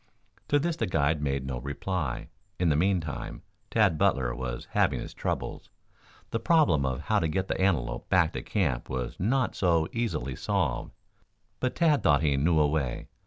To this the guide made no reply. In the meantime, Tad Butler was having his troubles. The problem of how to get the antelope back to camp was not so easily solved. But Tad thought he knew a way.